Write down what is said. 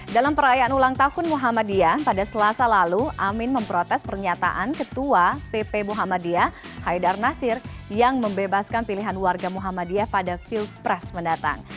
dalam perayaan ulang tahun muhammadiyah pada selasa lalu amin memprotes pernyataan ketua pp muhammadiyah haidar nasir yang membebaskan pilihan warga muhammadiyah pada pilpres mendatang